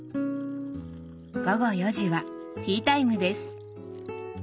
午後４時はティータイムです。